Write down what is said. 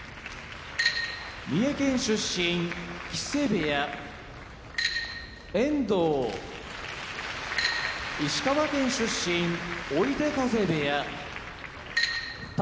三重県出身木瀬部屋遠藤石川県出身追手風部屋宝